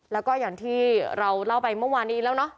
แล้วก็อย่างที่เราเล่าไปเมื่อวานนี้อีกแล้วเนาะ